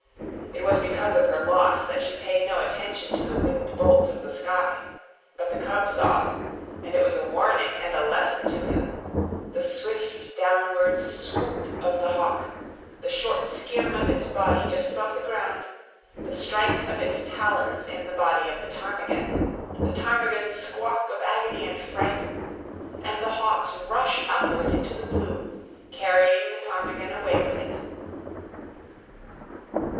It was because of her loss that she paid no attention to the winged bolt of the sky. But the cub saw, and it was a warning and a lesson to him—the swift downward swoop of the hawk, the short skim of its body just above the ground, the strike of its talons in the body of the ptarmigan, the ptarmigan's squawk of agony and fright, and the hawk's rush upward into the blue, carrying the ptarmigan away with it.